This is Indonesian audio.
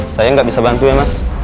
saya nggak bisa bantu ya mas